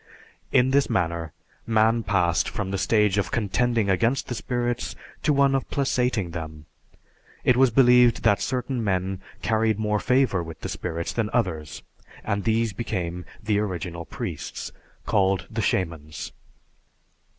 In this manner, man passed from the stage of contending against the spirits to one of placating them. It was believed that certain men carried more favor with the spirits than others, and these became the original priests, called the "Shamans."